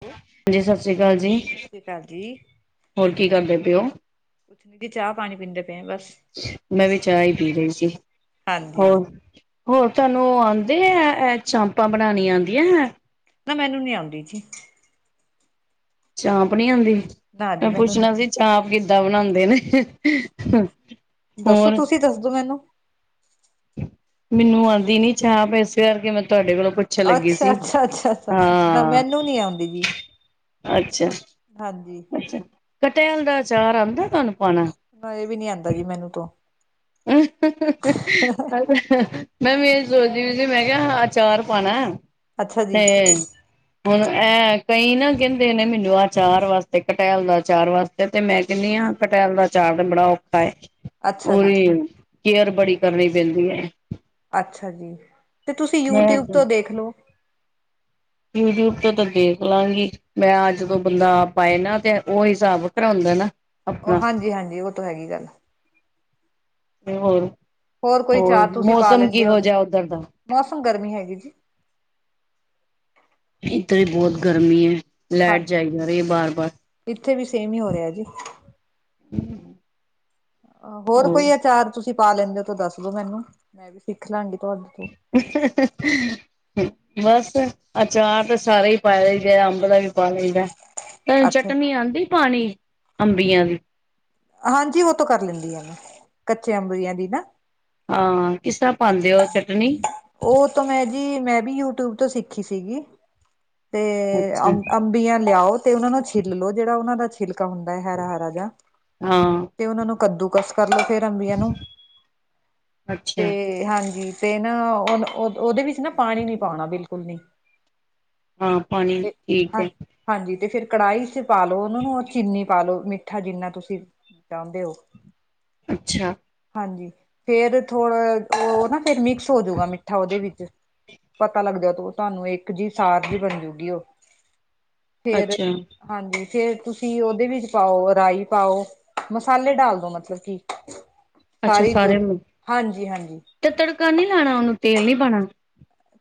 ਸਤਿ ਹਾਂਜੀ ਸਾਸਰੀਕਾਲ ਜੀ ਸ੍ਰੀ ਅਕਾਲ ਜੀ, ਹੋਰ ਕੀ ਕਰਦੇ ਪਏ ਓ। ਜੀ ਚਾਹ ਪਾਣੀ ਪੀਂਦੇ ਪਏ ਆਂ ਬਸ ਮੈਂ ਵੀ ਚਾਹ ਈ ਪੀ ਰੀ ਸੀ ਹਾਂਜੀ। ਹੋਰ ਹੋਰ ਤੁਆਨੂੰ ਓ ਆਂਦੇ ਐ-ਐ ਚਾਮਪਾਂ ਬਣਾਂਣੀਆਂ ਆਂਦੀਆਂ ਐ। ਨਾ ਮੈਨੂੰ ਨੀ ਆਂਦੀ ਜੀ। ਚਾਂਪ ਨੀ ਆਂਦੀ ਨਾ ਜੀ ਮੈਂ ਮੈਨੂੰ ਪੁੱਛਣਾ ਨੀ ਸੀ ਚਾਂਪ ਕਿੱਦਾਂ ਬਣਾਦੇ ਨੇ। ਦੱਸੋ ਹੋਰ ਤੁਸੀਂ ਦੱਸਦੋ ਮੈਨੂੰ ਮੈਨੂੰ ਆਂਦੀ ਨੀ ਚਾਂਪ ਇਸੇ ਕਰਕੇ ਮੈਂ ਤੁਹਾਡੇ ਕੋਲੋਂ ਪੁ ਅੱਛਾ-ਅੱਛਾ-ਅੱਛਾ-ਅੱਛਾ ਨਾ ਮੈਨੂੰ ਨੀ ਆਂਦੀ ਜੀ। ਅੱਛਾ ਹਾਂਜੀ ਅੱਛਾ ਕਟੈਲ ਦਾ ਚਾਰ ਆਂਦਾ ਤਾਨੂੰ ਪਾਉਣਾ। ਨਈ ਐ ਵੀ ਨੀ ਆਂਦਾ ਜੀ ਮੈਨੂੰ ਤੋਂ ਮੈਂ ਐ ਸੋਚਦੀ ਵੀ ਸੀ ਮੈਂ ਕਿਆ ਅਚਾਰ ਪਾਣਾ। ਅੱਛਾ ਤੇ ਜੀ, ਹੁਣ ਐਂ ਕਈ ਨਾ ਕੈਂਦੇ ਨੇ ਮੈਨੂੰ ਆਚਾਰ ਵਾਸਤੇ ਕਟੈਲ ਦਾ ਚਾਰ ਵਾਸ ਤੇ ਮੈਂ ਕੈਨੀ ਆਂ ਕਟੈਲ ਦਾ ਚਾਰ ਤੇ ਬੜਾ ਔਖਾ ਏ। ਅੱਛਾ ਜੀ, ਉਦੀ ਕੇਅਰ ਬੜੀ ਕਰਨੀ ਪੈਂਦੀ ਏ। ਅੱਛਾ ਜੀ ਤੇ ਤੁਸੀਂ ਮੈਂ ਯੂਟਿਊਬ ਤੋਂ ਦੇਖ ਲਓ। ਯੂਟਿਊਬ ਤੋਂ ਤਾਂ ਦੇਖ ਲਾਂਗੀ। ਮੈਂ ਜਦੋਂ ਬੰਦਾ ਪਾਏ ਨਾ ਤੇ ਉਹੀ ਹਿਸਾਬ ਵਕਰਾ ਉਂਦਾ ਨਾ ਓ ਹਾਂਜੀ-ਹਾਂਜੀ ਓ ਤੋਂ ਹੈਗੀ ਈ ਗੱਲ ਹੋਰ ਕੋਈ ਹੋਰ-ਹੋਰ ਚਾਰ ਤੁਸੀਂ ਪਾ ਮੌਸਮ ਲੈਂਦੇ ਕਿਹੋ ਹੋਗੇ, ਜਾ ਉੱਧਰ ਦਾ ਮੌਸਮ ਗਰਮੀ ਹੈਗੀ ਜੀ। ਇੱਧਰ ਬੋਤ ਗਰਮੀ ਏ ਹਾਂ ਲੈਟ ਜਾਈ ਜਾ ਰਈ ਐ ਬਾਰ-ਬਾਰ ਇੱਥੇ ਵੀ ਸੇਮ ਈ ਹੋ ਰਿਆ ਜੀ। ਹੋਰ ਉਹ ਕੋਈ ਆਚਾਰ ਤੁਸੀਂ ਪਾ ਲੈਂਦੇ ਓ ਤਾਂ ਦੱਸ ਦੋ ਮੈਨੂੰ, ਮੈਂ ਵੀ ਸਿੱਖ ਲਾਂਗੀ ਤੁਆਡੇ ਤੋਂ। [unintelligible] ਬਸ, ਅਚਾਰ ਤਾਂ ਸਾਰੇ ਈ ਪਾ ਲਈਦੇ, ਅੰਬ ਦਾ ਵੀ ਪਾ ਲਈਦਾ। ਅਅ ਅੱਛਾ ਚਟਨੀ ਆਂਦੀ ਪਾਣੀ ਅੰਬੀਆਂ ਦੀ? ਹਾਂਜੀ ਓ ਤੋਂ ਕਰ ਲੈਂਦੀ ਆ ਮੈਂ, ਕਚਿਆ ਅੰਬੀਆਂ ਦੀ ਨਾ? ਹਾਂ, ਕਿਸ ਤਰ੍ਹਾਂ ਪਾਂਦੇ ਓ ਚਟਨੀ? ਓ ਤੋ ਮੈਂ ਜੀ, ਮੈਂ ਵੀ ਯੂਟਿਊਬ ਤੋਂ ਸਿੱਖੀ ਸੀਗੀ ਤੇ ਅੱਛਾ ਅ ਅੰਬੀਆਂ ਲਿਆਓ ਤੇ ਉਨ੍ਹਾਂ ਨੂੰ ਛਿੱਲ ਲੋ, ਜੇੜਾ ਉਨਾਂ ਦਾ ਛਿਲਕਾ ਹੁੰਦਾ, ਹਰਾ-ਹਰਾ ਜਾ ਹਾਂ। ਤੇ ਉਨਾਂ ਨੂੰ ਕੱਦੂ-ਕਸ ਕਰ ਲੋ, ਫੇਰ ਅੰਬੀਆਂ ਨੂੰ ਅੱਛਾ ਤੇ ਹਾਂਜੀ! ਤੇ ਨਾ, ਉਹ ਉਦੇ ਵਿੱਚ ਨਾ ਪਾਣੀ ਨੀ ਪਾਣਾ ਬਿਲਕੁਲ। ਹਾਂ, ਪਾਣੀ ਤੇ ਠੀਕ ਹਾਂ ਏ। ਹਾਂਜੀ! ਤੇ ਫੇਰ ਕੜਾਈ 'ਚ ਪਾ ਲੋ ਉਨਾਂ ਨੂੰ ਔਰ ਚੀਨੀ ਪਾ ਲੋ, ਮਿੱਠਾ ਜਿੰਨਾ ਤੁਸੀਂ ਚਾਂਦੇ ਓ। ਅੱਛਾ। ਹਾਂਜੀ! ਫੇਰ ਥੋੜਾ ਓ ਨਾ, ਫੇਰ ਮਿਕਸ ਹੋਜੂਗਾ ਮਿੱਠਾ ਉਦੇ ਵਿੱਚ। ਪਤਾ ਲੱਗਦਾ ਤੋ ਤੁਹਾਨੂੰ, ਇੱਕ ਜਿ ਸਾਰ ਜਿ ਬਣਜੂਗੀ ਉਹ, ਫੇਰ ਅੱਛਾ ਹਾਂਜੀ! ਫੇਰ ਤੁਸੀਂ ਓਦੇ ਵਿੱਚ ਪਾਓ, ਰਾਈ ਪਾਓ। ਮਸਾਲੇ ਡਾਲ ਦੋ ਮਤਲਬ ਕਿ। ਅੱਛਾ, ਸਾਰੀ ਜੋ ਸਾਰਿਆ ਨੂੰ ਹਾਂਜੀ ਹਾਂਜੀ ਤੇ ਤੜਕਾ ਨੀ ਲਾਣਾ ਉਨੂੰ, ਤੇਲ ਨੀ ਪਾਣਾ?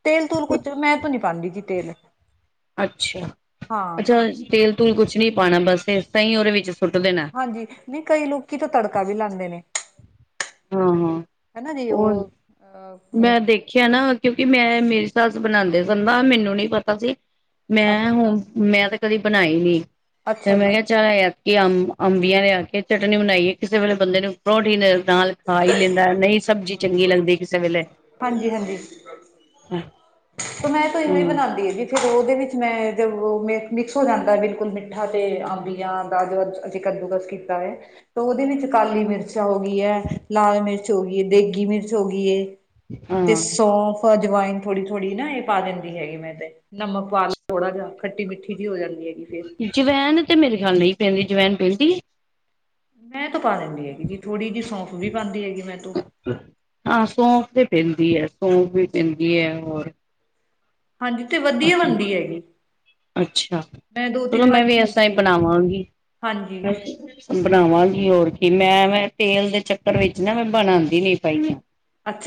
ਤੇਲ-ਤੂਲ ਕੁਛ, ਮੈਂ ਤੋ ਨੀ ਪਾਂਦੀ ਜੀ ਤੇਲ। ਅੱਛਾ! ਹਾਂ ਅੱਛਾ, ਤੇਲ-ਤੂਲ ਕੁਛ ਨੀ ਪਾਣਾ, ਬਸ ਏਸ ਤਰਾਂ ਈ ਉਦੇ ਵਿੱਚ ਸੁੱਟ ਦੇਣਾ। ਹਾਂਜੀ, ਨਈਂ ਕਈ ਲੋਕੀ ਤਾਂ ਤੜਕਾ ਵੀ ਲਾਂਦੇ ਨੇ। ਹਾਂ, ਹਾਂ ਹਨਾ ਜੀ ਉਹ ਮੈਂ ਦੇਖਿਆ ਨਾ ਕਿਉਂਕਿ ਮੈਂ ਮੇਰੀ ਸੱਸ ਬਣਾਂਦੇ ਸਨ ਨਾ, ਮੈਨੂੰ ਨੀ ਪਤਾ ਸੀ, ਅ ਮੈਂ ਹੁਣ ਮੈਂ ਤੇ ਕਦੀ ਬਣਾਈ ਨੀ, ਤੇ ਅੱਛਾ ਜੀ ਮੈਂ ਕਿਹਾ ਚਾ ਆ ਕਿ ਅੰਬ ਅੰਬੀਆਂ ਲਿਆ ਕੇ ਚਟਨੀ ਬਣਾਈਏ, ਕਿਸੇ ਵੇਲੇ ਬੰਦੇ ਨੂੰ ਪਰੋਂਠੀ ਦੇ ਨਾਲ ਖਾ ਈ ਲੈਂਦਾ ਨਈ ਸਬਜ਼ੀ ਚੰਗੀ ਲੱਗਦੀ ਕਿਸੇ ਵੇਲੇ। ਤੋ ਮੈਂ ਤੋਂ ਐਵੇਂ ਈ ਹੂੰ ਬਣਾਂਦੀ ਹੈਗੀ। ਫੇਰ ਉਦੇ ਵਿੱਚ ਮੈਂ, ਜਦ ਮਿਕ ਮਿਕਸ ਹੋ ਜਾਂਦਾ ਬਿਲਕੁਲ ਮਿੱਠਾ ਤੇ ਅੰਬੀਆਂ ਦਾ ਜੋ ਅਸੀਂ ਕੱਦੂਕਸ ਕੀਤਾ ਏ। ਉਦੇ ਵਿੱਚ ਕਾਲੀ ਮਿਰਚ ਹੋ ਗੀ ਏ, ਲਾਲ ਮਿਰਚ ਹੋ ਗੀ ਏ, ਦੇਗੀ ਮਿਰਚ ਹੋ ਗੀ ਏ। ਤੇ ਹਾਂ ਸੌਂਫ ਅਜਵਾਇਨ ਥੋੜੀ ਥੋੜੀ ਨਾ ਏ ਪਾ ਦਿੰਦੀ ਹੈਗੀ ਮੈਂ ਤੇ, ਨਮਕ ਪਾ ਲੋ ਥੋੜਾ ਜਾ ਖੱਟੀ-ਮਿੱਠੀ ਜੀ ਹੋ ਜਾਂਦੀ ਐ। ਜਵੈਨ ਤੇ ਮੇਰੇ ਖਿਆਲ ਨਈਂ ਪੈਂਦੀ, ਜਵੈਨ ਪੈਂਦੀ ਏ? ਮੈਂ ਤੋ ਪਾ ਲੈਂਦੀ ਹੈਗੀ ਜੀ, ਥੋੜ੍ਹੀ ਜਿਹੀ ਸੌਂਫ ਵੀ ਪਾਂਦੀ ਹੈਗੀ ਮੈਂ ਤੋ। ਹਾਂ, ਸੌਫ ਤੇ ਪੈਂਦੀ ਆ, ਸੌਂਫ ਵੀ ਪੈਂਦੀ ਆ, ਹੋਰ ਹਾਂਜੀ, ਤੇ ਵਧੀਆ ਅੱਛਾ। ਬਣਦੀ ਹੈਗੀ। ਅੱਛਾ, ਮੈਂ ਦੋ ਚਲੋ ਤਿੰਨ ਮੈਂ ਵਾਰੀ ਵੀ ਪਾਈ ਏਸਰਾ ਹੀ ਸੀ ਬਣਾਵਾਂਗੀ। ਹਾਂਜੀ ਬਣਾਵਾਂਗੀ ਹੋਰ ਕੀ ਮੈਂ, ਮੈਂ ਤੇਲ ਦੇ ਚੱਕਰ ਵਿੱਚ ਨਾ ਮੈਂ ਬਣਾਂਦੀ ਨੀ ਪਾਈਆਂ।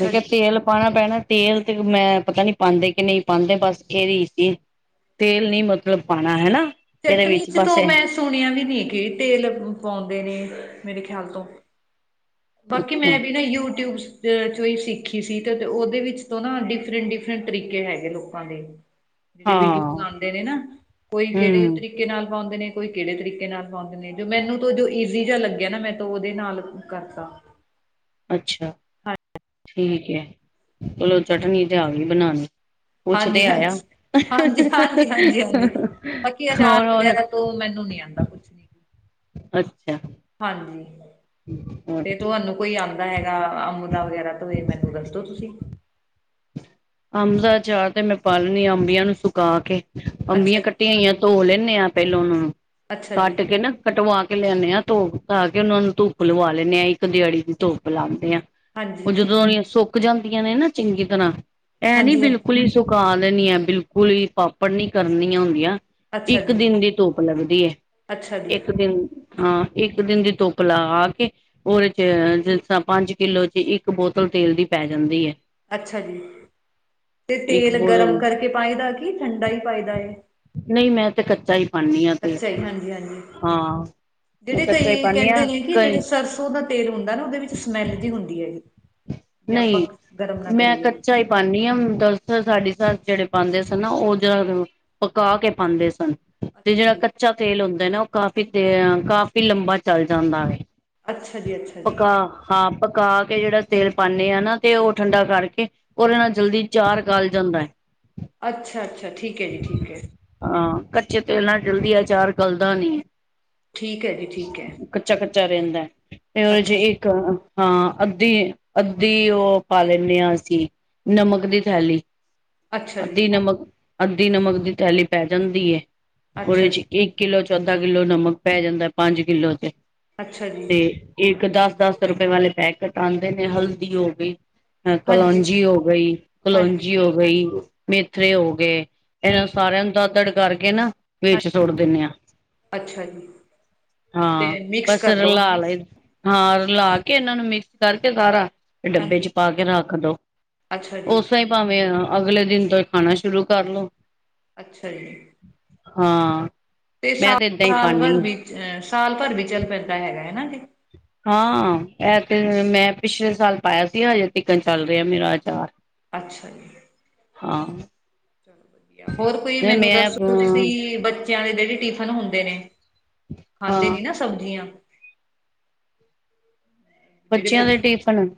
ਮੈਂ ਕਿਆ, ਜੀ ਤੇਲ ਪਾਣਾ ਪੈਣਾ, ਤੇਲ ਤੇ ਮੈਂ ਪਤਾ ਨੀ ਪਾਉਂਦੇ ਨਹੀਂ ਪਾਉਂਦੇ, ਬਸ ਇਹਦੀ 'ਚ ਤੇਲ ਨੀ ਮਤਲਬ ਪਾਉਣਾ ਹਨਾ? ਇਹਦੇ ਚਟਨੀ ਵਿੱਚ 'ਚ ਤੋ ਬਸ ਮੈਂ ਸੁਣਿਆ ਵੀ ਨੀ ਕਿ ਤੇਲ ਪਾਉਂਦੇ ਨੇ, ਮੇਰੇ ਖਿਆਲ ਤੋਂ। ਬਾਕੀ ਅੱਛਾ ਮੈਂ ਵੀ ਨਾ ਯੂਟਿਊਬ 'ਚ ਚੋਈ ਸਿੱਖੀ ਸੀ, ਤੇ ਓਦੇ ਵਿੱਚ ਤੋਂ ਨਾ ਡਿਫਰੈਂਟ-ਡਿਫਰੈਂਟ ਤਰੀਕੇ ਹੈਗੇ ਲੋਕਾਂ ਦੇ। ਜੇੜੇ ਵੀਡੀਓਜ਼ ਹਾਂ। ਆਂਦੇ ਨੇ ਨਾ ਕੋਈ ਕੇੜੇ ਹੂੰ ਤਰੀਕੇ ਨਾਲ ਪਾਂਦੇ ਨੇ, ਕੋਈ ਕੇੜੇ ਤਰੀਕੇ ਨਾਲ ਪਾਂਦੇ ਨੇ, ਜੋ ਮੈਨੂੰ ਤੋ ਜੋ ਈਜ਼ੀ ਜਾ ਲੱਗੇਆ ਨਾ ਮੈੰ ਤਾਂ ਓਦੇ ਨਾਲ ਕਰ [inaudible] ਅੱਛਾ, ਠੀਕ ਐ, ਚਲੋ ਚਟਨੀ ਤੇ ਆ ਗਈ ਬਨਾਨੀ। ਕੁਛ ਤੇ ਹਾਂਜੀ ਆਏਆ ਹਾਂਜੀ ਹਾਂਜੀ ਹਾਂਜੀ ਹਾਂਜੀ [unintelligible] ਹੋਰ-ਹੋਰ ਤੋ ਮੈਨੂੰ ਨੀ ਆਂਦਾ ਕੁਛ ਨੀ ਅੱਛਾ। ਹਾਂਜੀ। ਤੇ [inaudible] ਤੁਹਾਨੂੰ ਕੋਈ ਆਂਦਾ ਹੈਗਾ ਅੰਮ ਦਾ ਵਗੈਰਾ ਤੁਸੀ ਮੈਨੂੰ ਦੱਸਦੋ ਤੁਸੀ ਅੰਬ ਦਾ ਆਚਾਰ ਤੇ ਮੈਂ ਪਾ ਲੈਨੀ ਆਂ ਅੰਬੀਆਂ ਨੂੰ ਸੁੱਕਾ ਕੇ, ਅੱਛਾ ਅੰਬੀਆਂ ਜੀ ਕੱ ਟੀਆਂ ਹੋਈਆਂ ਧੋ ਲੈਂਨੇ ਆਂ, ਪੈਲਾਂ ਓਨਾਂ ਨੂੰ ਅੱਛਾ ਜੀ ਕੱਟ ਕੇ ਨਾ ਕਟਵਾ ਕੇ ਲਿਆਂਨੇ ਆਂ ਧੋ-ਧਾ ਕੇ ਓਨਾਂ ਨੂੰ ਧੁੱਪ ਲਵਾ ਲੈਂਨੇ ਆਂ, ਇੱਕ ਦੇਆੜੀ ਦੀ ਧੁੱਪ ਲਾਂਦੇ ਆਂ। ਓ ਹਾਂਜੀ ਜਦੋਂ ਦੀਆਂ ਸੁੱਕ ਜਾਂਦੀਆਂ ਨੇ ਨਾ ਚੰਗੀ ਤਰਾਂ ਐ ਨੀਂ ਹਾਂਜੀ ਹਾਂਜੀ ਬਿਲਕੁਲ ਈ ਸੁਕਾ ਦੇਨੀਆਂ ਬਿਲਕੁਲ ਈ ਪਾਪੜ ਨੀਂ ਕਰਨੀਆਂ ਹੁੰਦੀਆਂ ਅੱਛਾ ਇੱਕ ਜੀ ਦਿਨ ਦੀ ਧੁੱਪ ਲੱਗਦੀ ਐ, ਅੱਛਾ ਜੀ ਇੱਕ ਦਿਨ ਹਾਂ, ਇੱਕ ਦਿਨ ਦੀ ਧੁੱਪ ਲਗਾ ਕੇ ਓਦੇ 'ਚ ਜਿਸ ਤਰਾਂ ਪੰਜ ਕਿੱਲੋ 'ਚ ਇੱਕ ਬੋਤਲ ਤੇਲ ਦੀ ਪੈ ਜਾਂਦੀ ਐ। ਅੱਛਾ ਜੀ, ਤੇ ਇੱਕ ਤੇਲ ਗਰਮ ਬੋਤਲ ਕਰਕੇ ਪਾਏਦਾ ਕੀ ਠੰਡਾ ਈ ਪਾਏਦਾ ਏ? ਨਈਂ ਮੈਂ ਤੇ ਕੱਚਾ ਈ ਕੱਚਾ ਈ? ਹਾਂਜੀ-ਹਾਂਜੀ ਮੈਂ ਜੇੜੇ ਕੱਚਾ ਹੀ ਕਈ ਪਾਨੀ ਆ ਕੇੰਦੇ ਨੇ ਕਿ ਜੇੜੇ ਕਈ ਸਰਸੋਂ ਦਾ ਤੇਲ ਹੁੰਦਾ ਨਾ, ਓਦੇ ਵਿੱਚ ਸਮੈਲ ਜੀ ਹੁੰਦੀ ਐ ਜੀ। ਜੇ ਆਪਾਂ ਨਈਂ, ਗਰਮ ਨਾ ਮੈਂ ਕਰੀਏ ਕੱਚਾ ਈ ਪਾਂਨੀ ਆਂ, ਦਰਸੱਲ ਸਾਡੀ ਸੱਸ ਜੇੜੇ ਪਾਂਦੇ ਸਨ ਨਾ, ਓ ਪਕਾ ਕੇ ਪਾਂਦੇ ਸਨ। ਤੇ ਅੱਛਾ ਜੇੜਾ ਜੀ ਕੱਚਾ ਤੇਲ ਹੁੰਦਾ ਨਾ, ਓ ਕਾਫੀ ਦੇ, ਕਾਫੀ ਲੰਬਾ ਚਲ ਜਾਂਦਾ ਵੇ। ਅੱਛਾ ਜੀ ਅੱਛਾ ਜੀ ਪਕਾ ਹਾਂ ਪਕਾ ਕੇ ਜੇੜਾ ਤੇਲ ਪਾਂਨੇ ਆਂ ਨਾ, ਤੇ ਓ ਠੰਡਾ ਕਰਕੇ ਓਦੇ ਨਾਲ ਜਲਦੀ ਚਾਰ ਗੱਲ ਜਾਂਦੈ। ਅੱਛਾ-ਅੱਛਾ, ਠੀਕ ਐ ਜੀ, ਠੀਕ ਐ। ਹਾਂ, ਕੱਚੇ ਤੇਲ ਨਾਲ ਜਲਦੀ ਆਚਾਰ ਗੱਲਦਾ ਨੀਂ। ਠੀਕ ਐ ਜੀ, ਠੀਕ ਐ। ਕੱਚਾ-ਕੱਚਾ ਰੈਂਦਾ, ਤੇ ਓ ਜੇ ਇੱਕ ਹਾਂ, ਅੱਧੀ ਅੱਧੀ ਓ ਪਾ ਲੈਂਨੇ ਆਂ, ਅਸੀਂ ਨਮਕ ਦੀ ਥੈਲੀ। ਅੱਛਾ ਅੱਧੀ ਜੀ ਨਮਕ-ਅੱਧੀ ਨਮਕ ਦੀ ਥੈਲੀ ਪੈ ਜਾਂਦੀ ਐ ਅੱਛਾ ਓਦੇ'ਚ ਜੀ ਇੱਕ ਕਿੱਲੋ 'ਚ ਅੱਧਾ ਕਿੱਲੋ ਨਮਕ ਪੈ ਜਾਂਦੈ, ਪੰਜ ਕਿੱਲੋ ਤੇ ਅੱਛਾ ਜੀ ਇੱਕ ਦਸ-ਦਸ ਰੁਪਏ ਵਾਲੇ ਪੈਕਟ ਆਂਦੇ ਨੇ ਹਲਦੀ ਹੋ ਗਈ ਅ ਹਾਂਜੀ ਕਲੋਂਜੀ ਹੋ ਗਈ, ਹਾਂਜੀ ਕਲੋਂਜੀ ਹੋ ਗਈ, ਮੇਥਰੇ ਹੋ ਗਏ। ਏਨਾਂ ਹਾਂਜੀ ਸਾਰੇਆਂ ਨੂੰ ਦਾਦੜ ਕਰਕੇ ਨਾ ਹਾਂ ਵਿੱਚ ਸੁੱਟ ਦੇਨੇ ਆਂ। ਅੱਛਾ ਜੀ ਤੇ ਹਾਂ, ਮਿਕਸ ਬਸ ਕਰ ਦੋ ਰਲਾ ਲਏ ਹਾਂਜੀ ਹਾਂ ਰਲਾ, ਕੇ ਏਨਾਂ ਨੂੰ ਮਿਕਸ ਕਰਕੇ ਸਾਰਾ ਡੱਬੇ 'ਚ ਪਾ ਕੇ ਰੱਖ ਦੋ ਅੱਛਾ ਜੀ ਓਸ ਟਾਈ ਭਾਵੇਂ ਅਗਲੇ ਦਿਨ ਤੋਂ ਈ ਖ਼ਾਨਾ ਸ਼ੁਰੂ ਕਰ ਲੋ। ਅੱਛਾ ਜੀ। ਹਾਂ, ਮੈਂ ਸਾਲ ਤੇ ਏਦਾਂ ਈ ਸਾਲ ਪਾਨੀ ਭਰ ਆਂ। ਵੀ ਸਾਲ ਭਰ ਵੀ ਚੱਲ ਪੈਂਦਾ ਹੈਗਾ ਹੈਨਾ ਜੀ। ਹਾਂ ਐ ਤੇ ਮੈਂ ਪਿਛਲੇ ਸਾਲ ਪਾਇਆ ਸੀ, ਹਜੇ ਤੀਕਰ ਚੱਲ ਰਿਹਾ ਮੇਰਾ ਆਚਾਰ। ਅੱਛਾ ਜੀ। ਹਾਂ। [unintelligible] ਹੋਰ ਕੋਈ ਨਹੀਂ ਮੈਨੂੰ ਮੈਂ ਦੱਸੋ ਅ ਤੁਸੀਂ ਬੱਚਿਆਂ ਦੇ ਜੇੜੇ ਟਿਫਨ ਹੁੰਦੇ ਨੇ? ਖਾਂਦੇ ਹਾਂ ਨੀ ਨਾ ਸਬਜ਼ੀਆਂ। ਜਿਹੜੇ ਬੱਚਿਆਂ ਦੇ ਬੱਚੇ ਟਿਫਨ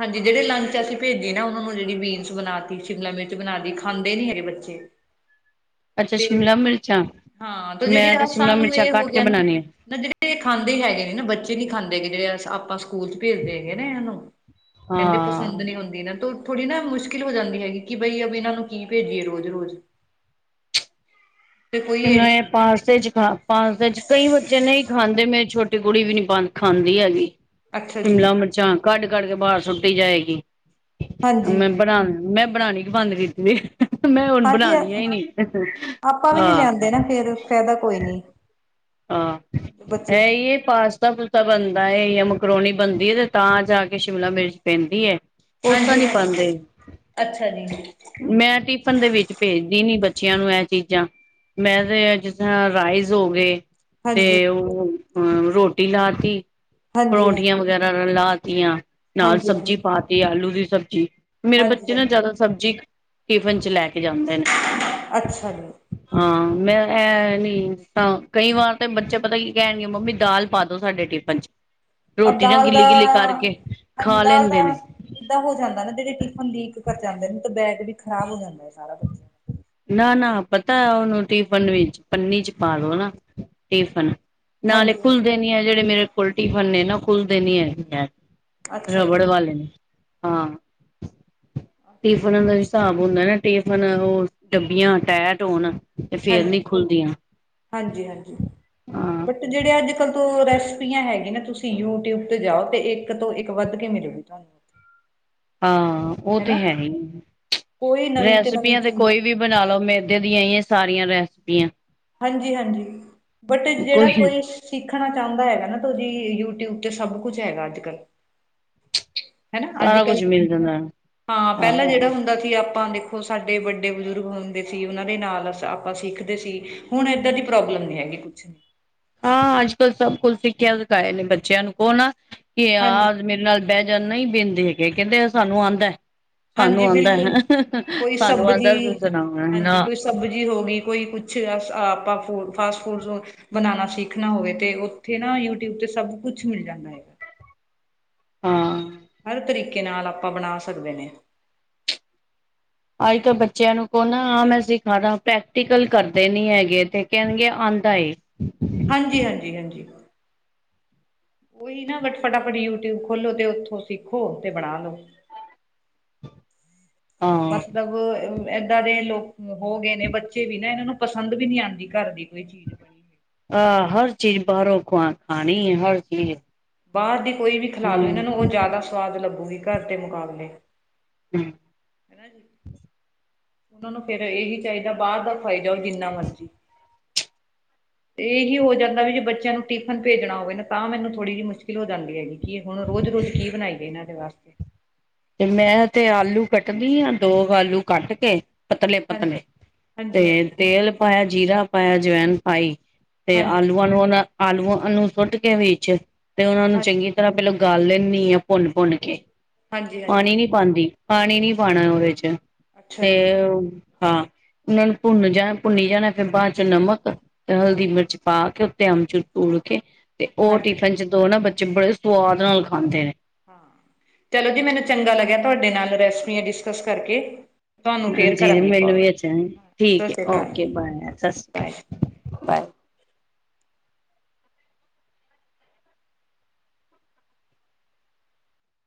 ਹਾਂਜੀ, ਜਿਹੜੇ ਲੰਚ ਅਸੀਂ ਭੇਜੀ ਨਾ ਉਹਨਾਂ ਨੂੰ ਜੇੜੀ ਬੀਨਸ ਬਣਾਤੀ, ਸ਼ਿਮਲਾ ਮਿਰਚ ਬਣਾਤੀ ਖਾਂਦੇ ਨੀ ਹੈਗੇ ਬੱਚੇ। [inaudible] ਅੱਛਾ ਤੇ ਸ਼ਿਮਲਾ ਮਿਰਚਾਂ ਹਾਂ ਤੇ ਜਿਹੜੇ ਮੈਂ ਆ ਸ਼ਿਮਲਾ ਸਾਨੂੰ ਮਿਰਚਾਂ ਇਹ ਹੋ ਕੱਟ ਕੇ ਗਿਆ ਨਾ, ਬਣਾਉਣੀ ਆ ਨਾ ਜੇੜੇ ਵਡੇ ਖਾਂਦੇ ਹੈਗੇ ਨੀ ਨਾ, ਬੱਚੇ ਨੀ ਖਾਂਦੇ ਹੈਗੇ ਜਿਹੜੇ ਆਪਾਂ ਸਕੂਲ ਚ ਭੇਜਦੇ ਹੈਗੇ ਨਾ ਇੰਨਾ ਨੂੰ ਕਹਿੰਦੇ ਹਾਂ ਪਸੰਦ ਨੀ ਹੁੰਦੀ ਨਾ, ਤੂੰ ਥੋੜ੍ਹੀ ਨਾ ਮੁਸ਼ਕਿਲ ਹੋ ਜਾਂਦੀ ਹੈਗੀ, ਕਿ ਬਈ ਇਨਾਂ ਨੂੰ ਕੀ ਭੇਜੀਏ ਰੋਜ਼-ਰੋਜ਼। [inaudible] [unintelligible] ਇਹ ਨਾ ਇਹੜੀ ਪਾਸਤੇ ਚ ਖਾ ਪਾਸਤੇ ਚ ਕਈ ਬੱਚੇ ਨਈ ਖਾਂਦੇ, ਮੇਰੀ ਛੋਟੀ ਕੁੜੀ ਵੀ ਨੀ ਖਾਂਦੀ ਹੈਗੀ। ਅੱਛਾ ਜੀ ਸ਼ਿਮਲਾ ਮਿਰਚਾਂ ਕੱਢ-ਕੱਢ ਕੇ ਬਾਰ ਸੁੱਟੀ ਜਾਏਗੀ, ਹਾਂਜੀ ਮੈਂ ਬਣਾ ਮੈਂ ਬਣਾਣੀ ਬੰਦ ਕੀਤੀ ਸੀ, ਮੈਂ ਹੁਣ ਬਣਾਣੀ ਆ ਈ ਨੀ। ਓਵੀ ਵੀ ਨਹੀਂ ਹਾਂ ਲਿਆਂਦੇ ਨਾ ਫਿਰ ਫਾਇਦਾ ਕੋਈ ਨਹੀਂ। ਅਹ, ਇਹ ਹੀ ਏ ਪਾਸ ਪਾਸਤਾ, ਪੁਸਤਾ ਬਣਦਾ ਏ ਯਾ ਮਕਰੋਨੀ ਬਣਦੀ ਤੇ ਤਾਂ ਜਾ ਕੇ ਸ਼ਿਮਲਾ ਮਿਰਚ ਪੈਂਦੀ ਏ। ਹਾਂਜੀ, ਹਾਂਜੀ ਅੱਛਾ ਜੀ। ਮੈਂ ਟਿਫਨ ਦੇ ਵਿੱਚ ਭੇਜਦੀ ਨੀ ਬੱਚਿਆਂ ਨੂੰ ਏ ਚੀਜ਼ਾਂ ਮੈਂ ਤੇ ਜਿਸ ਤਰ੍ਹਾਂ ਰਾਈਸ ਹੋ ਗਏ ਤੇ ਹਾਂਜੀ ਉਹ ਅ ਰੋਟੀ ਲਾਤੀ ਹਾਂਜੀ ਹਾਂਜੀ ਪਰੋਂਂਠੀਆਂ ਵਗੈਰਾ ਲਾਤੀਆਂ ਨਾਲ ਹਾਂਜੀ ਹਾਂਜੀ ਸਬਜ਼ੀ ਪਾਤੀ ਆਲੂ ਦੀ ਸਬਜ਼ੀ ਮੇਰੇ ਹਾਂਜੀ ਬੱਚੇ ਨਾ ਹਾਂਜੀ ਜ਼ਿਆਦਾ ਸਬਜ਼ੀ ਟਿਫਨ ਚ ਲੈ ਕੇ ਜਾਂਦੇ ਨੇ। [inaudible] ਅੱਛਾ ਜੀ। ਹਾਂ, ਮੈਂ ਇਹ ਨੀ ਇਸ ਤਾਂ ਕਈ ਵਾਰ ਤੇ ਬੱਚੇ ਪਤਾ ਕੀ ਕਹਿਣਗੇ ਮੰਮੀ ਦਾਲ ਪਾ ਦੋ ਸਾਡੇ ਟਿਫਨ ਚ ਅਬ ਰੋਟੀ ਨਾਂ ਦਾਲ ਦਾ ਗਿੱਲੀ-ਗਿੱਲੀ ਕਰਕੇ ਖਾ ਲੈਂਦੇ ਨੇ। ਇੱਦਾਂ ਹੋ ਜਾਂਦਾ ਨਾ ਜੇੜੇ ਟਿਫਨ ਲੀਕ ਕਰ ਜਾਂਦੇ ਨੇ, ਤਾਂ ਬੈਗ ਵੀ ਖਰਾਬ ਹੋ ਜਾਂਦਾ ਹੈ ਸਾਰਾ ਬੱਚਾ ਨਾ, ਨਾ ਪਤਾ ਉਨੂੰ ਟਿਫਨ ਵਿੱਚ ਪੰਨੀ ਚ ਪਾਲੋ ਹਨਾ। ਟਿਫਨ ਨਾਲੇ ਹਾਂਜੀ ਹਾਂਜੀ ਖੁੱਲਦੇ ਨੀ ਹੈ ਜਿਹੜੇ ਮੇਰੇ ਕੋਲ ਟਿਫਨ ਨੇ ਨਾ ਖੁੱਲਦੇ ਨੀ ਹੈਗੇ। ਅੱਛਾ ਜੀ ਰਬੜ ਵਾਲੇ ਨੇ ਹਾਂ। ਅੱਛਾ ਟਿਫਨਾਂ ਦਾ ਹਿਸਾਬ ਹੁੰਦਾ ਨਾ, ਟਿਫਨ ਉਹ ਡੱਬੀਆਂ ਟੈਟ ਹੋਣ ਤੇ ਫੇਰ ਹਾਂਜੀ ਨੀ ਖੁੱਲਦੀਆਂ ਹਾਂਜੀ ਹਾਂਜੀ ਹਾਂ। ਬਟ ਜਿਹੜੇ ਅੱਜ-ਕੱਲ੍ਹ ਤੋਂ ਰੈਸਪੀਆਂ ਹੈਗੀਆਂ ਨਾ ਤੁਸੀਂ ਯੂਟਿਊਬ ਤੇ ਜਾਓ, ਤੇ ਇੱਕ ਤੋਂ ਇੱਕ ਵੱਧ ਕੇ ਮਿਲੋਗੀ ਤੁਹਾਨੂੰ। ਉੱਥੇ ਹਾਂ ਉਹ ਤੇ ਹਨਾ ਹੈ ਈ, ਕੋਈ ਨਵੀਂ ਨਵੀਂ ਰੈਸਪੀਆਂ ਤੇ ਚੀਜ਼ ਕੋਈ ਵੀ ਬਣਾ ਲੋ ਮੈਦੇ ਦੀਆਂ ਈ ਆ ਸਾਰੀਆਂ ਰੈਸਪੀਆਂ। ਹਾਂਜੀ, ਹਾਂਜੀ ਬਟ ਜਿਹੜਾ ਕੋਈ ਸਿੱਖਣਾ ਚਾਂਦਾ ਹੈਗਾ ਨਾ, ਤੋ ਜੀ ਯੂਟਿਊਬ ਤੇ ਸਭ ਕੁਛ ਹੈਗਾ ਅੱਜ-ਕੱਲ੍ਹ। ਹਨਾ ਸਾਰਾ ਕੁਛ ਅੱਜ-ਕੱਲ੍ਹ ਮਿਲ ਜਾਂਦਾ ਹਾਂ ਪੈਲਾਂ ਜੇੜਾ ਹੁੰਦਾ ਅਸੀਂ ਆਪਾਂ ਦੇਖੋ ਸਾਡੇ ਵੱਡੇ ਬਜ਼ੁਰਗ ਹੁੰਦੇ ਸੀ, ਉਨਾਂ ਦੇ ਨਾਲ ਆਪਾਂ ਸਿੱਖਦੇ ਸੀ। ਹੁਣ ਏਦਾਂ ਦੀ ਪ੍ਰੋਬਲਮ ਨੀ ਹੈਗੀ ਕੁਛ। ਹਾਂ, ਅੱਜ-ਕੱਲ੍ਹ ਸਭ ਕੁਛ ਸਿੱਖਿਆ ਸਿਖਾਏ ਨੇ ਬੱਚਿਆਂ ਨੂੰ, ਕੌ ਨਾ [inaudible] ਕਿ ਹਾਂਜੀ ਆਹ ਤੇ ਮੇਰੇ ਨਾਲ ਬੈ ਜਾ ਨਈ ਬੇਂਦੇ ਹੈਗੇ ਕੈਂਦੇ ਸਾਨੂੰ ਆਂਦਾ। ਹਾਂਜੀ ਸਾਨੂੰ ਬਿਲਕੁਲ ਕੋਈ ਆਂਦਾ-ਸਾਨੂੰ ਸਬਜ਼ੀ ਆਂਦਾ ਤੁਸੀਂ ਸੁਨਾਓ ਹਾਂਜੀ ਨਾ ਕੋਈ ਸਬਜ਼ੀ ਹੋ ਗਈ, ਕੋਈ ਕੁਛ ਆ ਸ ਆਪਾਂ ਫੂਡ ਫਾਸਟ ਫੂਡ ਸ ਬਨਾਨਾ ਸਿੱਖਨਾ ਹੋਵੇ ਤੇ ਓਥੇ ਨਾ ਯੂਟਿਊਬ ਤੇ ਸਬ ਕੁਛ ਮਿਲ ਜਾਂਦਾ ਐ। ਹਾਂ। ਹਰ ਤਰੀਕੇ ਨਾਲ ਆਪਾਂ ਬਨਾ ਸਕਦੇ ਨੇ। ਆਈ ਤਾਂ ਬੱਚੇਆਂ ਨੂੰ ਕਓ ਨਾ ਆ ਮੈਂ ਸਿਖਾਦਾ ਪ੍ਰੈਕਟੀਕਲ ਕਰਦੇ ਨੀ ਹੈਗੇ ਤੇ ਕੈਨਗੇ ਆਂਦਾ ਏ। ਹਾਂਜੀ-ਹਾਂਜੀ-ਹਾਂਜੀ। ਓਹੀ ਨਾ ਬਟ ਫਟਾਫਟ ਯੂਟਿਊਬ ਖੋਲੋ ਤੇ ਓਥੋਂ ਸਿੱਖੋ ਤੇ ਬਨਾ ਲੋ। ਹਾਂ ਮਤਲਬ ਅ ਮ ਏਦਾਂ ਦੇ ਲੋਕ ਹੋ ਗਏ ਨੇ ਬੱਚੇ ਵੀ ਨਾ ਏਨਾਂ ਨੂੰ ਪਸੰਦ ਵੀ ਨੀ ਆਂਦੀ ਘਰ ਦੀ ਕੋਈ ਚੀਜ਼ ਬਨੀ। ਅ ਹਰ ਚੀਜ਼ ਬਾਰੋਂ ਖਵਾ ਖਾਨੀ ਏ ਹਰ ਚੀਜ਼। ਬਾਰ ਦੀ ਕੋਈ ਵੀ ਖਿਲਾ ਦੋ ਓ ਏਨਾਂ ਹਮ ਨੂੰ ਓ ਜਾਦਾ ਸਵਾਦ ਲੱਗੂਗੀ ਘਰ ਦੇ ਮੁਕਾਬਲੇ। ਹੂੰ। ਹਨਾ ਜੀ। ਓਨਾ ਨੂੰ ਫੇਰ ਏਈ ਚਾਈਦਾ ਬਾਰ ਦਾ ਖਾਈ ਜਾਓ ਜਿੰਨਾ ਮਰਜ਼ੀ। ਤੇ ਏਹੀ ਹੋ ਜਾਂਦਾ ਵੀ ਜੇ ਬੱਚੇਆਂ ਨੂੰ ਟਿਫਨ ਭੇਜਨਾ ਹੋਵੇ ਨਾ ਤਾਂ ਮੈਨੂੰ ਥੋੜੀ ਜੀ ਮੁਸ਼ਕਿਲ ਹੋ ਜਾਂਦੀ ਹੈਗੀ। ਕੀ ਹੁਨ ਰੋਜ਼-ਰੋਜ਼ ਕੀ ਬਨਾਈਏ ਏਨਾਂ ਦੇ ਵਾਸਤੇ। ਤੇ ਮੈਂ ਤੇ ਆਲੂ ਕੱਟਦੀ ਆਂ, ਦੋ ਕ ਆਲੂ ਕੱਟ ਕੇ ਹਾਂਜੀ। ਪਤਲੇ-ਪਤਲੇ, ਤੇ ਹਾਂਜੀ ਹਾਂਜੀ ਤੇਲ ਪਾਇਆ ਜੀਰਾ ਪਾਇਆ, ਜਵੈਨ ਪਾਈ ਤੇ ਹਾਂਜੀ ਆਲੂਆਂ ਨੂੰ ਓਨਾਂ ਆਲੂਆਂ ਨੂੰ ਸੁੱਟ ਕੇ ਵਿੱਚ, ਤੇ ਓਨਾਂ ਨੂੰ ਹਾਂਜੀ ਚੰਗੀ ਤਰਾਂ ਪੈਲਾਂ ਗਾਲ ਲੈਂਨੀ ਆ ਭੁੰਨ-ਭੁੰਨ ਕੇ। ਹਾਂਜੀ ਪਾਨੀ ਹਾਂਜੀ ਨੀ ਪਾਂਦੀ, ਪਾਨੀ ਨੀ ਪਾਨਾ ਓਦੇ ਚ ਅੱਛਾ ਤੇ ਜੀ ਹਾਂ, ਓਨਾਂ ਨੂੰ ਭੁੰਨ ਜਾਨਾ ਭੁੰਨੀ ਜਾਨਾ ਫਿਰ ਬਾਦ ਚ ਨਮਕ ਤੇ ਹਲਦੀ, ਮਿਰਚ ਪਾ ਕੇ ਉੱਤੇ ਅਮਚੂਰ ਭੂਰ ਕੇ ਤੇ ਓ ਹਾਂਜੀ ਟਿਫਿਨ ਚ ਦੋ ਨਾ, ਬੱਚੇ ਬੜੇ ਸਵਾਦ ਨਾਲ ਖਾਂਦੇ ਨੇ। ਹਾਂ ਚਲੋ ਜੀ, ਮੈਨੂੰ ਚੰਗਾ ਲੱਗਿਆ ਤੁਆਡੇ ਨਾਲ ਰੈਸਪੀਆਂ ਡਿਸਕਸ ਕਰਕੇ। ਤੁਆਨੂੰ ਫੇਰ ਹਾਂਜੀ ਕਰਾਂਗੇ ਮੈਨੂੰ ਕੋਲ, ਵੀ ਅੱਛਾ ਠੀਕ ਹੈ ਸਾਸਰੀ ਕਾਲ ਓਕੇ ਜੀ, ਬਾਏ ਸਤਿ ਸ਼੍ਰੀ ਬਾਏ। ਅਕਾਲ ਬਾਏ।